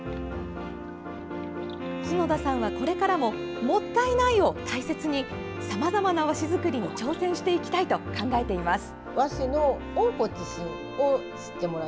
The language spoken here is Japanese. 篠田さんは、これからも「もったいない」を大切にさまざまな和紙作りに挑戦していきたいと考えています。